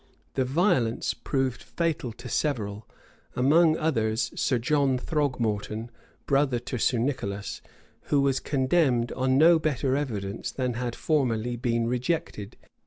[] This violence proved fatal to several; among others to Sir John Throgmorton, brother to Sir Nicholas, who was condemned on no better evidence, than had formerly been rejected.